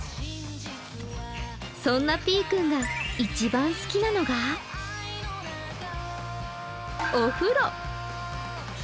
そんなぴぃくんが一番好きなのがお風呂。